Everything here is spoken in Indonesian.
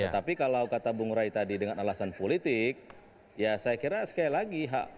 tapi kalau kata bu ngurai tadi dengan alasan politik ya saya kira sekali lagi